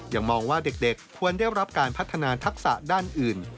มองว่าเด็กควรได้รับการพัฒนาทักษะด้านอื่น